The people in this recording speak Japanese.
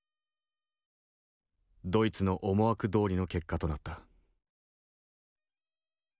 ドイツの思惑どおりの結果となった。